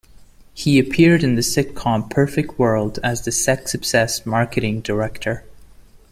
He appeared in the sitcom "Perfect World" as the sex-obsessed marketing director.